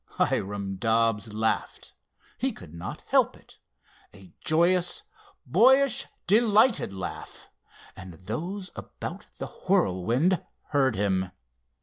Hiram Dobbs laughed, he could not help it—a joyous, boyish, delighted laugh, and those about the Whirlwind heard him.